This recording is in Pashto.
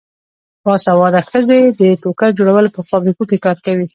باسواده ښځې د ټوکر جوړولو په فابریکو کې کار کوي.